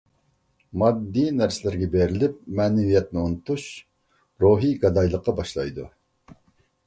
ماددىي نەرسىلەرگە بېرىلىپ مەنىۋىيەتنى ئۇنتۇش روھىي گادايلىققا باشلايدۇ.